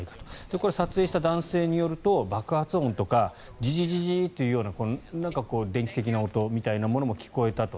これは撮影した男性によると爆発音とかジジジという電気的な音みたいなものも聞こえたと。